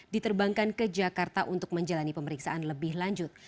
diterbangkan ke jakarta untuk menjalani pemeriksaan lebih lanjut